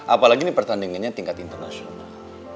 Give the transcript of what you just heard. apalagi ini pertandingannya tingkat internasional